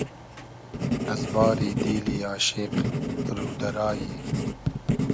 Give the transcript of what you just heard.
از باری دیلی آشیق رو دۂ رایی